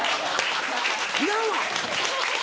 いらんわ！